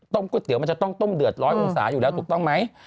ก๋วยเตี๋ยวมันจะต้องต้มเดือดร้อยองศาอยู่แล้วถูกต้องไหม